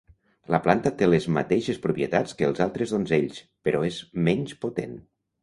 La planta té les mateixes propietats que els altres donzells, però és menys potent.